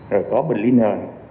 rồi có bệnh lý nền